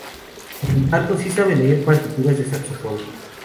Sin embargo, sí sabe leer partituras de saxofón.